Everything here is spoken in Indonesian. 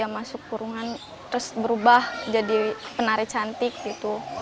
masuk kurungan terus berubah jadi penari cantik gitu